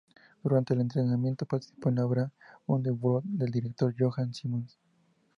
Durante el entrenamiento participó en la obra Underground del director Johan Simons.